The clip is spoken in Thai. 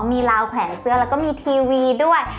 มีราวแขวนเสื้อแล้วก็มีทีวีด้วย